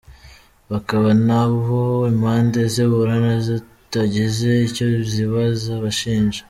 Hakaba n’aho impande ziburana zitagize icyo zibaza abashinja.